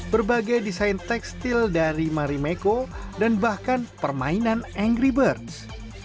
berbagai desain tekstil dari marimekko dan bahkan permainan angry birds